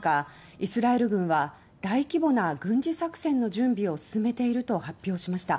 イスラエル軍は大規模な軍事作戦の準備を進めていると発表しました。